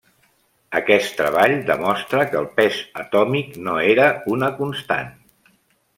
Aquest treball demostra que el pes atòmic no era una constant.